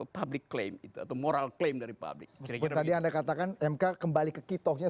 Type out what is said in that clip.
public claim itu atau moral claim dari public kira kira anda katakan mk kembali ke kitohnya